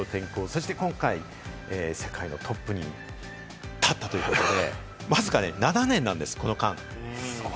そして今回、世界のトップに立ったということで、わずか７年なんです、この間。